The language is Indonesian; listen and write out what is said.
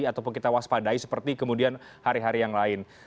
ataupun kita waspadai seperti kemudian hari hari yang lain